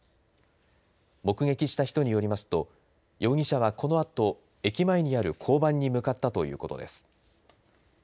目撃した人によりますと容疑者はこのあと駅前にある交番に向かったということです。